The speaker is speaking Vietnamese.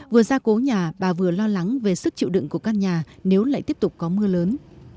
vừa ra cố nhà bà vừa lo lắng về sức chịu đựng của căn nhà nếu lại tiếp tục có mưa lớn